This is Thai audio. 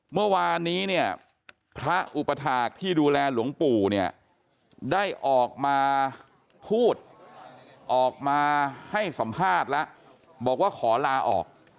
เมื่อวานนี้เนี่ยพระอุปถาคที่ดูแลหลวงปู่เนี่ยได้ออกมาพูดออกมาให้สัมภาษณ์แล้วบอกว่าขอลาออก